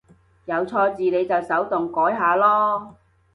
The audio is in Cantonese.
有錯字你就手動改下囉